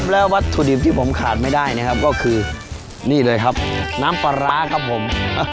แล้ววัตถุดิบที่ผมขาดไม่ได้นะครับก็คือนี่เลยครับน้ำปลาร้าครับผม